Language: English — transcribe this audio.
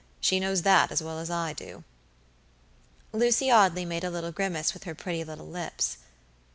She knows that as well as I do." Lucy Audley made a little grimace with her pretty little lips.